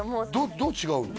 どう違うの？